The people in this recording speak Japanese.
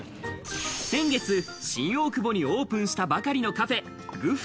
先月、新大久保にオープンしたばかりのカフェＧＵＦ。